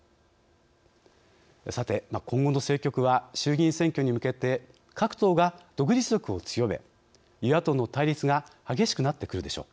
さて今後の政局は衆議院選挙に向けて各党が独自色を強め与野党の対立が激しくなってくるでしょう。